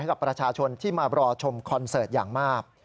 กับประชาชนที่มารอชมคอนเสิร์ตอย่างมาก